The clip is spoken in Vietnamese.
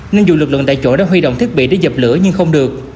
nên dù lực lượng tại chỗ đã huy động thiết bị để dập lửa nhưng không được